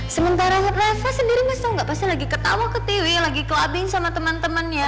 sementara reva sendiri mas tau gak pasti lagi ketawa ke tiwi lagi ke labing sama teman temannya